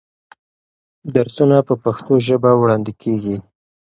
درسونه په پښتو وړاندې کېږي.